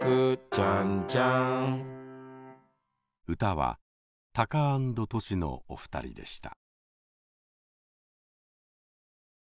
ちゃんちゃん歌はタカアンドトシのお二人でした。